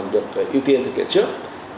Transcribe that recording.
được ưu tiên thực hiện trước